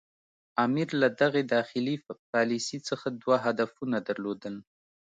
امیر له دغې داخلي پالیسي څخه دوه هدفونه درلودل.